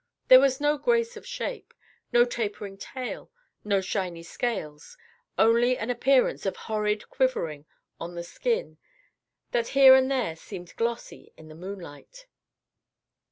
There was no grace of shape, no tapering tail, no shiny scales, only an appearance of horrid quivering on the skin, that here and there seemed glossy in the moonlight.